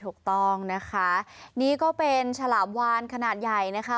ถูกต้องนะคะนี่ก็เป็นฉลามวานขนาดใหญ่นะคะ